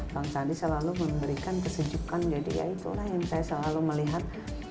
bang sandi selalu memberikan kesejukan jadi ya itulah yang saya selalu melihat